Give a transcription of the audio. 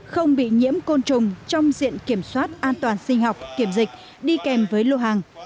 không bị nhiễm côn trùng trong diện kiểm soát an toàn sinh học kiểm dịch đi kèm với lô hàng